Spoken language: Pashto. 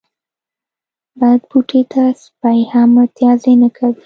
بد بوټي ته سپي هم متازې نه کوی.